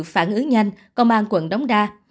phản ứng nhanh công an quận đóng đa